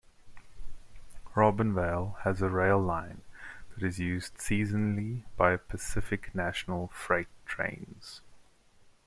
Robinvale has a rail line that is used seasonally by Pacific National freight trains.